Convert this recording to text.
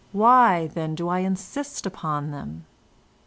Why, then, do I insist upon them?